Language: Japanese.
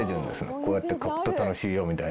こうやって描くと楽しいよみたいな。